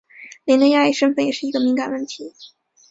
林的亚裔身份也是一个敏感问题。